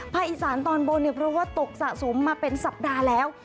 อีสานตอนบนเนี่ยเพราะว่าตกสะสมมาเป็นสัปดาห์แล้ว